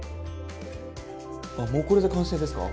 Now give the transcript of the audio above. あっもうこれで完成ですか？